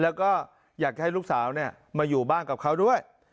แล้วก็อยากให้ลูกสาวมาอยู่บ้านกับเขาด้วย